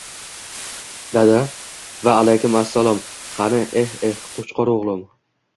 Doda: va alaykum assalam qani ehhe qo’chqor uglim...